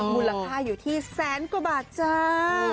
มูลค่าอยู่ที่แสนกว่าบาทจ้า